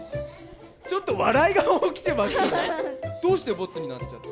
ちょっと笑いが起きてますけどどうしてボツになっちゃったんですか？